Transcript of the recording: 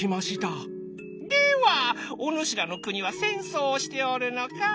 「ではおぬしらの国は戦争をしておるのか？」。